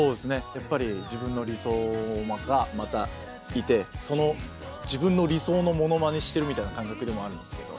やっぱり自分の理想がまたいてその自分の理想のモノマネしてるみたいな感覚でもあるんですけど。